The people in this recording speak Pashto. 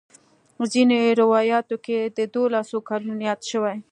ځینې روایاتو کې د دولسو کلونو یاد شوی.